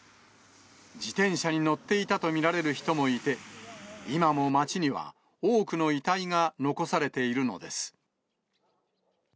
自転車に乗っていたと見られる人もいて、今も街には、多くの遺体が残されているのです。